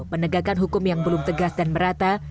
penegakan hukum yang belum tegas dan merata